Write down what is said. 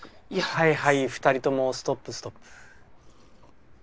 はいはい二人ともストップストップ。